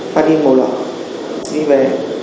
và đi ngồi lọc đi về